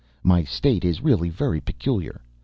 My state is really very peculiar.